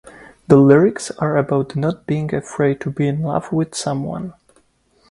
The lyrics are about not being afraid to be in love with someone.